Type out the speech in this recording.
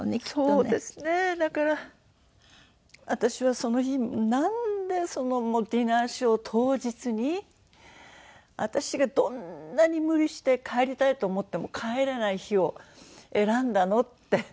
そうですねだから私はその日になんでそのもうディナーショー当日に私がどんなに無理して帰りたいと思っても帰れない日を選んだの？って。